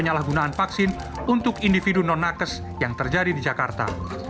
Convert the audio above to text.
penyalahgunaan vaksin untuk individu non nakes yang terjadi di jakarta